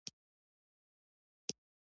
کتل د اړیکو پیاوړې وسیله ده